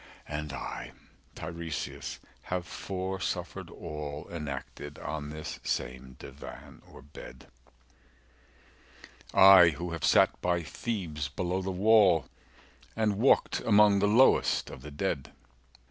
(And I Tiresias have foresuffered all Enacted on this same divan or bed; I who have sat by Thebes below the wall 245 And walked among the lowest of the dead.)